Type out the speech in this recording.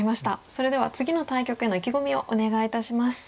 それでは次の対局への意気込みをお願いいたします。